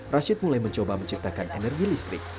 rashid mulai mencoba menciptakan energi listrik